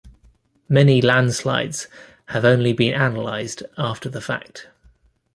Many landslides have only been analyzed after the fact.